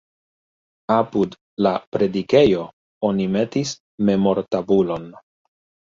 Apud la predikejo oni metis memortabulon.